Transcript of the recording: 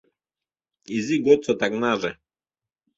Изи годсо таҥнаже